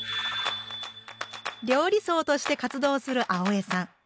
料理僧として活動する青江さん。